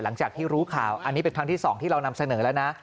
หลังจากที่รู้ข่าวอันนี้เป็นครั้งที่๒ที่เรานำเสนอแล้วนะ